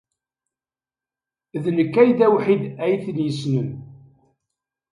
D nekk ay d awḥid ay ten-yessnen.